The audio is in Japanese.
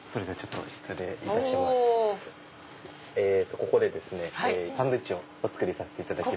ここでサンドイッチをお作りさせていただきます。